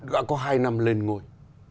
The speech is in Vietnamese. gọi có hai năm lên ngôi